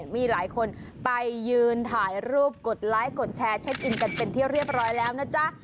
มีหลายคนไปยืนถ่ายรูปกดไลค์กดแชร์เช็คอินกันเป็นที่เรียบร้อยแล้วนะจ๊ะ